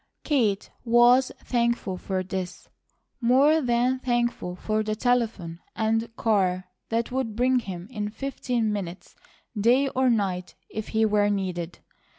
Kate was thankful for this, more than thankful for the telephone and car that would bring him in fifteen minutes day or night, if he were needed.